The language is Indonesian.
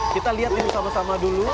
kita lihat ini sama sama dulu